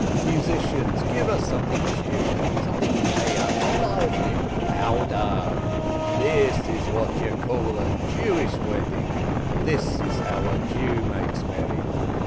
Musicians, give us something cheerful — something gayer, livelier, louder !" "This is what you call a Jewish wedding !" "This is how a Jew makes merry